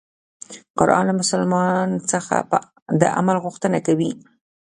قرآن له مسلمان څخه د عمل غوښتنه کوي.